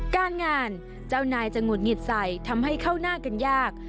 การงานเจ้านายจะหงุดหงิดใส่ทำให้เข้าหน้ากันยาก